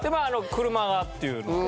車っていうので。